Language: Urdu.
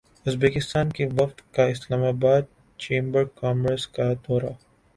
ازبکستان کے وفد کا اسلام باد چیمبر کامرس کا دورہ